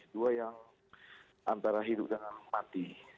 dua yang antara hidup dengan mati